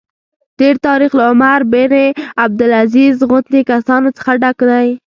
تېر تاریخ له عمر بن عبدالعزیز غوندې کسانو څخه ډک دی.